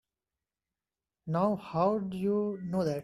Now how'd you know that?